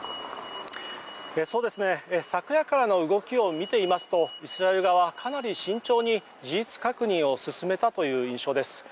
昨夜からの動きを見ていますとイスラエル側かなり慎重に事実確認を進めたという印象です。